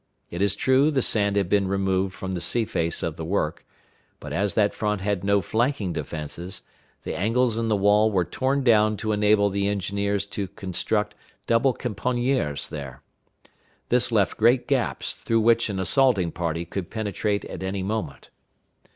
It is true the sand had been removed from the sea face of the work; but as that front had no flanking defenses, the angles in the wall were torn down to enable the engineers to construct double caponieres there. This left great gaps, through which an assaulting party could penetrate at any moment.